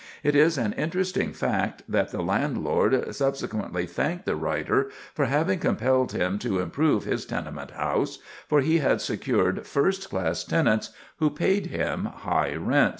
It is an interesting fact that the landlord subsequently thanked the writer for having compelled him to improve his tenement house; for he had secured first class tenants who paid him high rents.